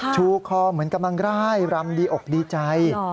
ชูคอเหมือนกำลังร่ายรำดีอกดีใจ